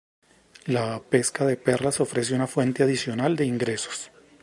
La pesca de perlas ofrece una fuente adicional de ingresos.